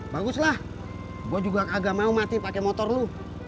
baguslah gue juga kagak mau mati pake motor lu